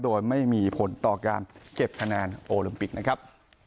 โดยไม่มีผลต่อการเก็บคะแนนโอลิมปิกนะครับ